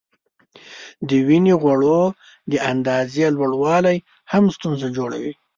د وینې غوړو د اندازې لوړوالی هم ستونزې جوړوي.